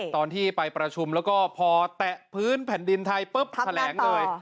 ตอนที่ไปประชุมแล้วก็พอแตะพื้นแผ่นดินไทยปุ๊บแถลงเลย